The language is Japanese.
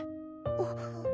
あっ。